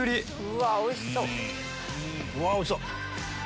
うわおいしそう！